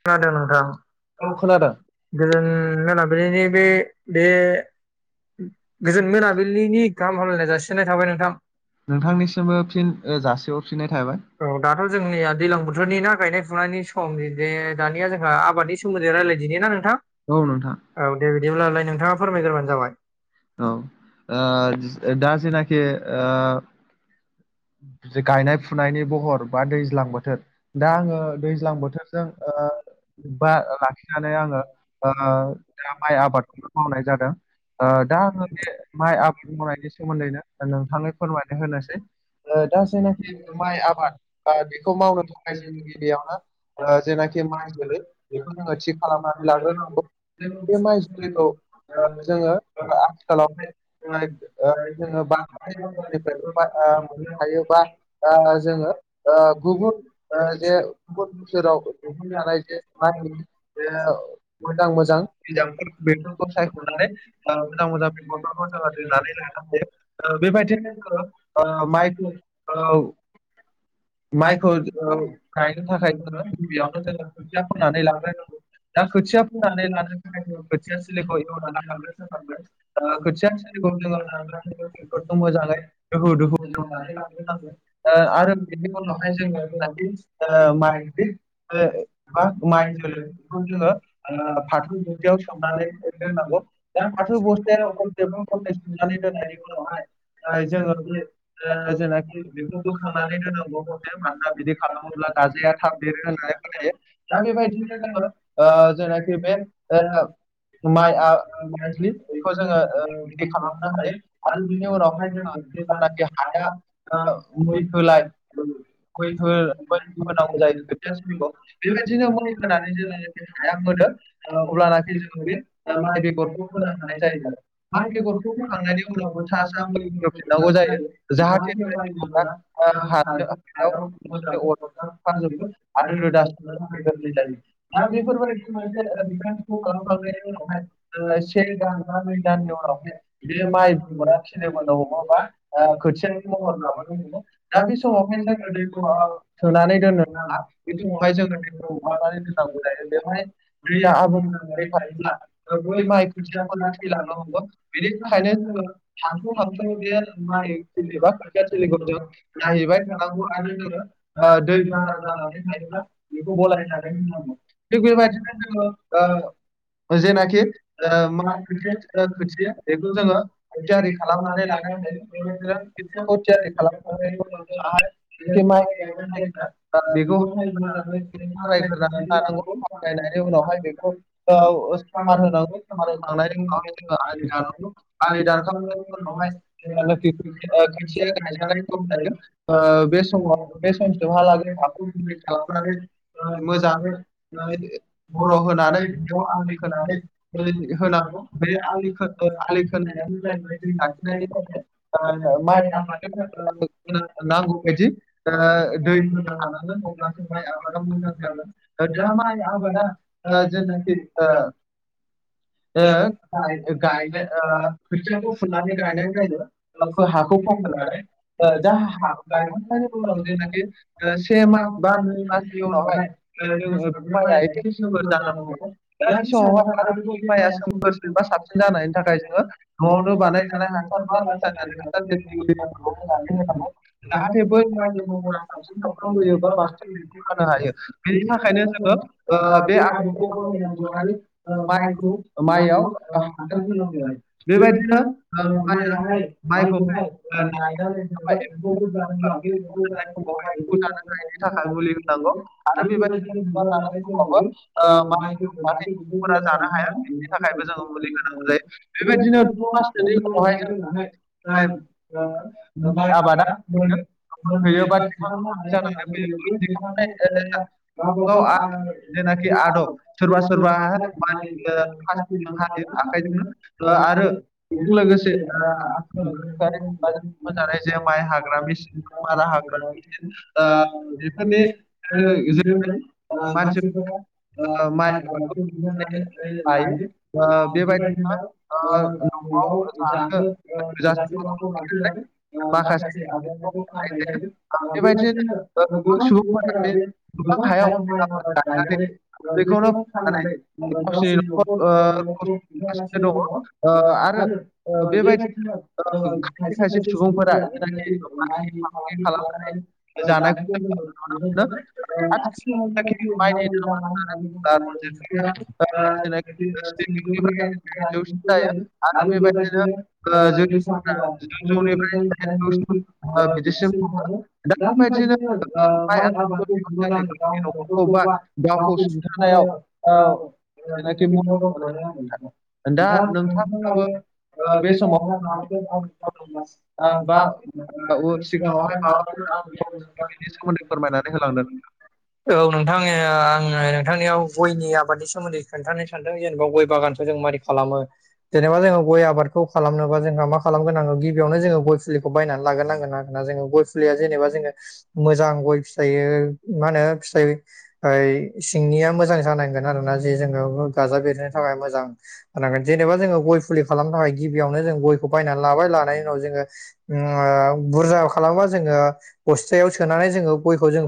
खोनादों नोंथां खोनादों [unintelligible] गोजोन मोनाबिलिनि बे बे गोजोन मोनाबिलिनि गाहामलायनाय जासिननाय थाबाय नोंथां नोंथांनिसिमबो फिन जासेयावफिननाय थाबाय औ दाथ' जोंनिया दैलां बोथोरनि ना गायनाय फुनायनि समे दानिया जोंहा आबादनि सो सोन्दै रायलायदिनि ना नोंथां औ नोंथां औ दे बिदिब्लालाय नोंथाङा फोरमायग्रोबानो जाबाय औ आ दा जेनाखि ओ गायनाय फुनायनि बहर बा दैज्लां बोथोर दा आङो दैज्लां बोथोर जों ओ बा लाखिनानै आङो ओ दा माइ आबादखौनो मावनाय जादों ओ दा आङो बे माइ आबाद मावनायनि सोमोन्दैनो नोंथाङै फोरमायनो होनोसै ओ दा जायनाखि माइ आबाद बेखौ मावनो थाखाय जोंनि गिबियावनो जेनाखि माइ जोलै बेखौ जोङो थि खालामनानै लाग्रोनांगौ बे माइज्लिखौ जोङो आथिखालाव [unintelligible] [unintelligible] जोङो ओ गुबुन ओ जे गुबुन बोसोराव [unintelligible] थानाय जे माइनि ओ मोजां मोजां बिदांफोर बेफोरखौ सायख'नानै [unintelligible] ओ मोजां मोजां बिफांफोरखौ जोङो दोननानै लानो हायो बेबायदिनो ओ [unintelligible] औ माइखौ माइखौ ओ गायनो थाखाय जोङो गिबियावनो जोङो खोथिया फोग्रोनानै लाग्रोनांगौ दा खोथिया फोनानै लानो खोथिया सोलिखौ खोथिया सोलिखौ जोङो बेफोरखौ मोजाङै दुहु दुहु [unintelligible] [unintelligible] [unintelligible] ओ आरो बेनि बिनि उनावहाय जों जोङो बि माइज्लि बा एबा माइ जोलै बेखौ जोङो ओ फाथो [unintelligible] [unintelligible] बस्थायाव जोङो सोमनानै दोननांगौ बे फाथो बस्थाया हरसे हरनै सोमनानै दोननायनि उनावहाय जोङो जेनाखि बे बेखौ [unintelligible] बोखांनानै जोङो [unintelligible] दा दोननांगौ मानोना बिदि खालामोब्ला गाजाया थाब बेरो होननानै फोथायो दा बेबायदिनो जोङो आ ओ [unintelligible] जेनाखि बे ओ माइ आ माइज्लिखौ बेखौ जोङो ओ रेडि खालामनो हायो आरो बिनि बेनि उनाव उनावहाय जोङो जेब्लानो जेब्लानाखि बे हाया आ मै होलाय [unintelligible] [unintelligible] हो मै बेबादिनो होनांगौ जायो खोथिया थिलिखौ बेबायदिनो मै एवखांना होनानै जेब्लानाखि जुदि हाया मोनो अब्लानाखि जोङो बे माइ बेगरखौ माइज्लिखौबो फोनो फोना लानाय हानाय जायो आरो माइ बेगरखौ फोखांनायनि उनाव बिगौखौ सा सा होफिननांगौ फोनानाय जायो जाहाथे माइ ग बेगरा ओ ग [unintelligible] हानो हायाव [unintelligible] अरजोबो आरो रोदा दा दा बेफोरबायदि बिफोर खालामखांनायनि उनाव बादिनो से दाननि उनाव [unintelligible] बे माइ बिदि बिगरा माइखौ खिलिबोनो नङा हमोबा ख ओ खोथियानि गोलाव महर लाबोनो ना दा खो बे समावहाय महर जोङो दैखौ ओ, ल दङ सोनानै दोनो दा बे बेखौहाय जोङो समाव दैखौ माबानानै म दोननांगौ जायो नखौारिा बेवहाय [unintelligible] [unintelligible] बै दैया आबुं जाबाय थायोब्ला बे माइ खोथियाफोरा थैलांनो हमो बेनि थाखायनो जोङो एबा खोथिया थिलिखौ जों [unintelligible] नायहैबाय नेबाय थानांगौ आरो जों नोङो दै बारा जानानै थायोब्ला बेखौ गलाय गलायानानै होनांगौ थिग बेबादिनो बेबायदिनो जोङो जेनाखि ओ ओ माइ जेसेनाखि खोथिया ओ, [unintelligible] खोथिया बेखौ जोङो थियारि खालामनानै [unintelligible] लायो खालामनानै लानो हायो [inaudible] आ [unintelligible] [unintelligible] खारायग्रोनानै [unintelligible] लानांगौ खारायनायनि उनावहाय आलि बेखौ औ सामार दानना होनांगौ सामार होखांनायनि लानांगौ उनावहाय जोङो दान आलि आलि उनावहाय दानखांनायनि जानाखि उनावहाय खोथिया गायजानाय सम जायो [unintelligible] ओ बे समाव बे सम समसिमहालागै नानै हाखौ कम्लिट खालामनानै ओ एबा जानो बर' होनानै ज' आलि होनानै होनांगौ बे आलि आलि खोनायानो जाहैबाय दै खोनाय लाखिनाय माइ [unintelligible] नांगौ बादि ओ दै होना लानांगोन अब्ला जोंहा आबादा मोजां जागोन दा माइ आबादा ओ जेनाखि ओ ओ ओ गायनो गायगोन ओ खोथियाखौ फुना फुनानै गायनाय गायगोन जोङो जोंनाव [unintelligible] हाखौ खममोन नालाय फोमोनानै ओ दा मोजां [unintelligible] से माह एबा नै दाननि उनावहाय जोङो माइआ एसे जानांगोन सोमखोर जानो बे हमो दा बे समावहाय आरो आरोबाव बे [unintelligible] [unintelligible] [unintelligible] माइआ सोमखोरसिन बा साबसिन जानायनि थाखाय जोङो न'आवनो बानायजानाय हासार बा रासायनारिक हासार जाहाथे बै बोयोबा होनो हायो बेनि बिनि थाखायनो जोङो ओ बे आबखौ आबादखौ बाहायनांगौ आरो माइ माइखौ [unintelligible] माइयाव बेबायदिनो बेबायदिनो ओ माइआ मायाहाय माइखौहाय गायनानै नायाहाय दोनबाय एम्फौ एम्फौबो जानानै जाखै एम्फौ जानाय जानायखौ समावहाय एम्फौ जानो हायैनि थाखाय मुलि होनांगौ आरो बेबायदिनो बिबार लानाय बहाय समावबो जांग ओ मा जाहाथे एम्फौफोरा जानो हाया [unintelligible] बेनि थाखायबो जोङो मुलि होनांगौ जायो [unintelligible] बेबायदिनो द' माससोनि उनावहाय जों दोननानै आ माइ ओ माइ आबादा मोनो फैयो मोनहयो बा दिखांनो थखांनो हानाय जानानै रोंनानै फैयो होयोबोखां दिखांनाय गावब गाव आ जेनाखि आल' आदब बे सोरबा बाथ सोरबा ज मानियो म [unintelligible] प्लास्टिकजों हायो आखाइजोंनो आगोल ओ आरो बेजों लोगोसे मोजानाय [unintelligible] माइ हाग्रा मेसेन मुगायाव मारा हाग्रा ओ बेफोरनि बेफोरबायदि जों ओ जोङो मानसिफोरा माइ हागारा आबादखौ दिहुननानै दिहोनानै लायो बेबायदिनो न'आव थोजासे जानो [unintelligible] माखासे आजायनायखौ फाननाय जायो बेबायदिनो गोबां सुबुंफोरा बे गोबां हायाव माइ आबाद गायनानै बेखौनो फाननानै गावसिनि गावसोरनि न'खर ओ गासिनो ओ दङ आरो ओ बेबायदि बेबादिनो ओ खायसे खायसे‌ सुबुं सुबुंफोरा जेनाखि फालांगि फालांगि खालामनानै जानायखौ खालामनानै [inaudible] [inaudible] जायो आरो जौसिन जायो आरो बेबायदिनो बेबायदि ओ जों [unintelligible] जौनिफ्राय जौसिम ओ बिदिसिम थाङो दा दा बेबायदिनो ओ माइ आबादखौ दिहुननानै बुंनानै गावनि गावखौबो न'खरखौ बा गोबां गावखौ सुंथानायाव औ [unintelligible] जेनाखि जेनेखि बर मदद [unintelligible] दा नोंथाङा आंनो‌ नोंथाङाबो ओ बे समाव खिन्थानो ओ बा ओ सिगाङावहाय माबाफोर हायो बेनि [unintelligible] फोरमायनानै होलांदों औ नोंथां आङो नोंथांनियाव गयनि आबादनि सोमोन्दै खोन्थानो सानदों जेनेबा गय बागानखौ जों मारै खालामो जेनेबा जोङो गय आबादखौ खालामनोबा जोंहा मा खालामग्रोनांगौ गिबियावनो जोङो गय फोलिखौ बायनानै लागोनांगोन आरो ना जोङो गय फुलिया जेनेबा जोङो मोजां गय फिथाइ मा होनो फिथाय ओफ्राय सिंनिया मोजां जानांगोन आरोना जे जोङो गाजा बेरनो थाखाय मोजां होनांगोन जेनेबा जोङो गय फुलि खालामनो थाखाय गिबियावनो जों गयखौ बायनानै लाबाय लानाय उनाव जोङो बुरजा खालामबा जोङो बस्थायाव सोनानै जोङो गयखौ जों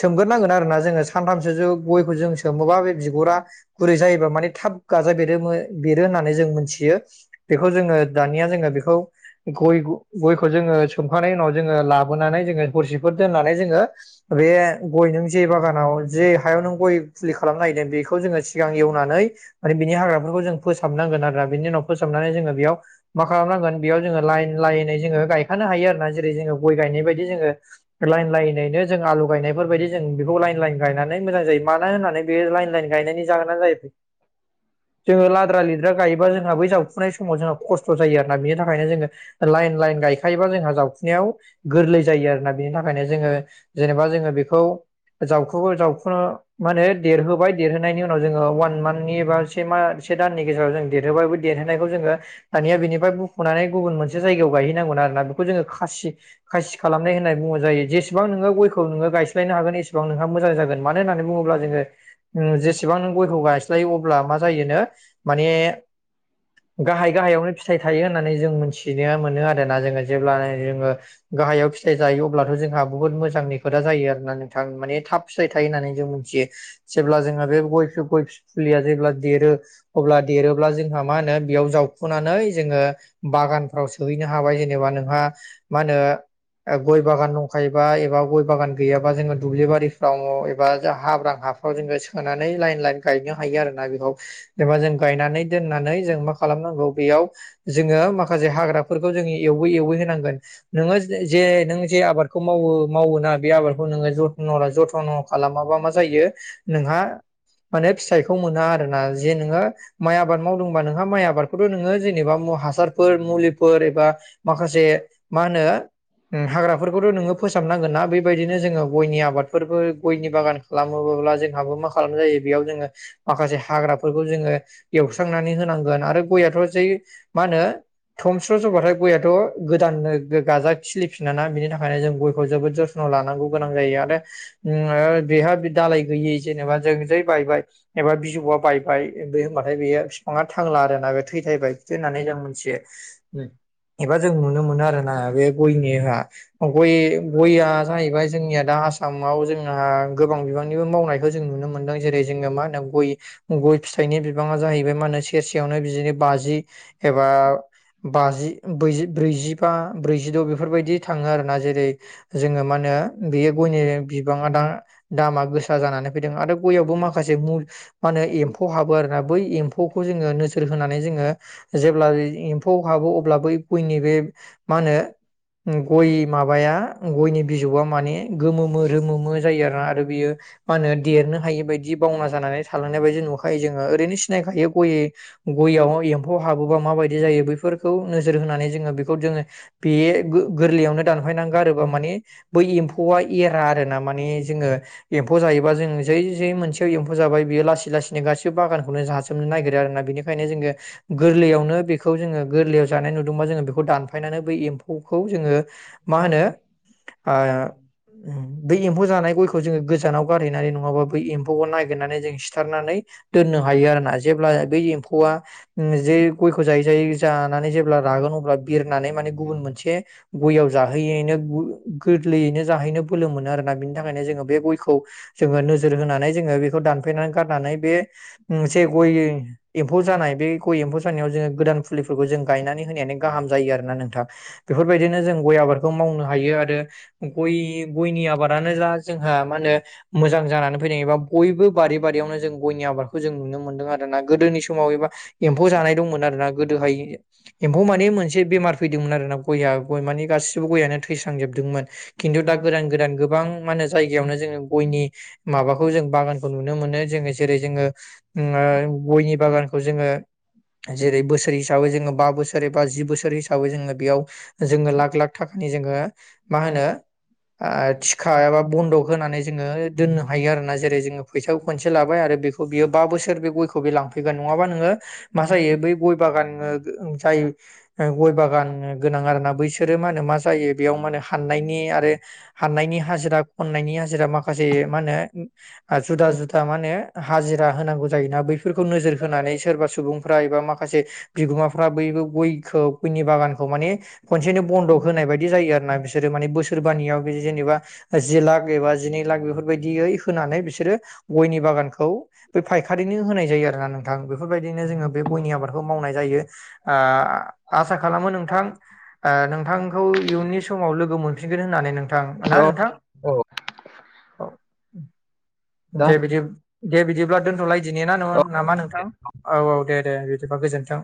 सोमग्रोनांगोन आरोना जोङो सानथामसो जों गयखौ जों सोमबा बे बिगुरा गुरै जायोबा माने थाब गाजा बेरो बेरो होननानै जों मोनथियो बेखौ जोङो दानिया जोङो बेखौ गय गयखौ जोङो सोमखांनायनि उनाव जोङो लाबोनानै जोङो हरसेफोर दोननानै जोङो बे बे गय नों जे बागानाव जे हायाव नों गय फुलि खालामनो नागिरदों बेखौ जोङो सिगां एवनानै मान बिनि हाग्राफोरखौ जों फोसाबनांगोन आरो बिनि उनाव फोसाबनानै जोङो बेयाव मा खालामनांगोन बेयाव लाइन लाइननै जों जेरै गायखनो हायो आरोना जेरै जो गय गायनाय बायदि जो लाइनैनो जों लगायनायफोर बायदि जों बेखौ लाइन लाइन गायनानै मोजां जायो मानो होननानै बे लाइन लाइन गायनायनि [unintelligible] जोङो लाद्रा लिद्रा गायोबा जोंहा बै जावफुनाय समाव जोंहा खस्थ' जायो आरोना बिनि थाखाय जोङो लाइन लाइन गायखायोबा जोंहा जावफुनायाव गोरलै जायो आरोना बिनि थाखायनो जोङो जेनेबा जोङो बेखौ जावखोयो जावखुनो माने देरहोबाय देरहोनायनि उनाव जोङो अवान मान्थनि बा से मा से दाननि गेजेराव जों देरहोबाय बे देरहोनायखौ जोङो दानिया बेनिफ्राय बुख'नानै गुबुन मोनसे जायगायाव गायहैनांगोन आरोना बेखौ जोङो खासि खासि खालामनाय होननाय बुंनाय जायो जेसे एसेबां नोंङो गयखौ नोङो गायस्लायनो हागोन एसेबां नोंहा मोजां जागोन मानो होननानै बुङोब्ला जोङो जेसेबां नों गयखौ गायस्लायो अब्ला मा जायोनो माने गाहाय गाहायावनो फिथाइ फिथाइ थायो होननानै जों मोनथिनो मोनो आरोना जोङो जेब्लानो जोङो गाहायाव फिथाइ फिथाइ जायो अब्लाथ' जोंहा बुहुत मोजांनि खोदा जायो आरोना नोंथां माने थाब फिथाइ थायो होननानै जों मिथियो जेब्ला जोङो बे गय गय फुलिया जेब्ला देरो अब्ला देरोब्ला जोंहा मा होनो बेयाव जावखुनानै जोङो बागानफ्राव सोहैनो हाबाय जेनेबा नोंहा मा होनो गय बागान दं अखायबा एबा गय बागान गैयाबा जोङो दुब्लि बारिफ्राव हाब्रां हाफ्राव जोङो सोनानै लाइन लाइन गायनो हायो आरोना बेखौ जेनेबा जों गायनानै दोननानै जों मा खालामनांगौ बेयाव जोङो माखासे हाग्राफोरखौ जोङो एवै एवै होनांगोन नोङो जे नों जे आबादखौ मावो मावोना बे आबादखौ नोङो जथ जथ्न' खालामाबा मा जायो नोंहा माने फिथाइखौ मोना आरोना जे नोङो माइ आबाद मावदोंबा नोंहा माइ आबादखौथ नोङो जेनेबा म हासारफोर मुलिफोर एबा माखासे मा होनो हाग्राफोरखौथ' नोङो फोसाबनांगोन ना बेबायदिनो जोङो गयनि आबादफोरबो गयनि बागान खालामबोब्ला जोंहाबो मा खालामनाय जायो बेयाव जोङो माखासे हाग्राफोरखौ जोङो एवस्रांनानै होनांगोन आरो गयाथ' जै मा होनो थमस्र' जबाथाय गयाथ' गोदाननो गाजा खिलिफिनाना बिनि थाखायनो जों गयखौ जोबोद ज स' लानांगौ गोनां जायो आरो बेहा दालाय गैयै जेनेबा जों जै बायबाय एबा बिजौआ बायबाय बे होनबाथाय बेयो बिफाङा थांला आरोना बे थैथायबाय होननानै जों मिथियो एबा जों नुनो मोनो आरो ना बे गयनि होआ गय गयया जाहैबाय जोंनिया दा आसामाव जोंहा गोबां बिबांनिबो मावनायखौ जों नुनो मोनदों जेरै जोङो मा होनदों गय गय फिथाइनि बिबाङा जाहैबाय मा होनो सेरसेयावनो बिदिनो बाजि एबा बाजि ब्रैजि ब्रैजिबा ब्रैज द' बेफोरबायदि थाङो आरोना जेरै जोङो मा होनो बेयो गयनि बिबाङा दा दामा गोसा जानानै फैदों आरो गयावबो माखासे मुल मा होनो एमफौ एमफौ हाबो आरोना बै एम्फौखौ जोङो नोजोर होनानै जोङो जेब्ला एम्फौ बहाबो अब्ला बै गयनि बे मा होनो गय माबाया गयनि बिजौआ माने गोमोमो रोमोमो जायो आरोना आरो बियो मा होनो देरनो हायि बायदि बावना जानानै थालांनाय बायदि नुखायो जोङो ओरैनो सिनायखायो गय गयाव एम्फौ एम्फौ हाबोबा माबायदि जायो बैफोरखौ नोजोर होनानै जोङो बेखौ जोङो बेयो गोरलैयावनो दानफायनानै गारोबा माने बै एम्फौआ एरा आरोना माने जोङो एम्फौ जायोबा जोङो जै जै मोनसेयाव एम्फौ जाबाय बेयो लासै लासै गासिबो बागानखौनो जाजोबनो नागिरो आरोना बेनिखायनो जोङो गोरलैयावनो बेखौ जोङो गोरलैयाव जानाय नुदोंबा जोङो बेखौ दानफायनानै बै एमफ जोङो मा होनो बे एम्फौ जानाय गयखौ जोङो गोजानाव गारहैनानै नङाबा बै एम्फौखौ नागिरनानै जों सिथारनानै दोननो हायो आरो ना जेब्ला बै एम्फौआ जे गयखौ जायै जायै जानानै जेब्ला रागोन अब्ला बिरनानै माने गुबुन मोनसे गययाव जाहोयैनो गोरलैयैनो जाहैनो फोलो मोनो आरोना बिनि थाखायनो जोङो बे गयखौ जोङो नोजोर होनानै जोङो बेखौ दानफेनानै गारनानै बे जे गय एम्फौ जानाय बे गय एम्फौ साननायाव जोङो गोदान फुलिफोरखौ जों गायनानै होनायानो गाहाम जायो आरोना नोंथां बेफोरबायदिनो जों गय आबादखौ मावनो हायो आरो गय गयनि आबादानो जा जोंहा मा होनो मोजां जानानै फैनायबा बयबो बारि बारियावनो जों गयनि आबाद खौ जों नुनो मोनदों आरोना गोदोनि समाव एबा एम्फौ जानाय दंमोन आरोना गोदोहाय एम्फौ माने मोनसे बेमार फैदोंमोन आरो ना गया गय माने गासिबो गयानो थैस्रांजोबदोंमोन खिन्थु दा गोदान गोदान गोबां मा होन जायगायावनो जोङो गयनि माबाखौ जों बागानखौ नुनो मोनो जोङो जेरै जोङो गयनि बागानखौ जोङो जेरै बोसोर हिसाबै जोङो बा बोसोर एबा जि बोसोर हिसाबै जोङो बेयाव जोङो लाख लाख थाखानि जोङो मा होनो थिखा एबा बन्दक होनानै जोङो दोननो हायो आरो ना जेरै जोङो फैसाखौ खनसे लाबाय आरो बेखौ बियो बा बोसोर बे गयखौ बे लांफैगोन नङाबा नोङो मा जायो बै गय बागान जाय गय बागान गोनां आरो ना बैसोरो मा होनो मा जायो बेयाव मा होनो हाननायनि आरो हाननायनि हाजिरा खननायनि हाजिरा माखासे मा होनो जुदा जुदा मा होने हाजिरा होनांगौ जायोना बैफोरखौ नोजोर होनानै सोरबा सुबुंफ्रा एबा मा खासे बिगोमाफ्रा बयबो गयखौ गयनि बागानखौ माने खनसेनो बन्दक होनाय बायदि बिदि जायो आरोना बिसोरो माने बोसोरबानियाव बि जेनेबा जि लाख एबा जिनै लाख बेफोरबायदियै होनानै बिसोरो गयनि बागानखौ बै फायखारिनो होनाय जायो आरोना नोंथां बेफोरबायदिनो जोङो बे गयनि आबादखौ मावनाय जायो आसा खालामो नोंथां आ नोंथांखौ इयुननि समाव लोगो मोन फिनगोन होननानै नोंथां ना औ नोंथां औ औ दा दे बिदि दे बिदिब्ला दोन्थ'लाय दिनै ना नङो ना नामा नोंथां औ औ दे दे बिदिबा गोजोन्थों